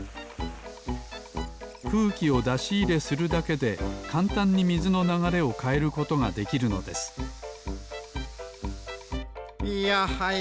くうきをだしいれするだけでかんたんにみずのながれをかえることができるのですいやはや